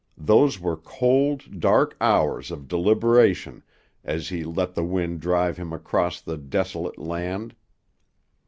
Those were cold, dark hours of deliberation as he let the wind drive him across the desolate land.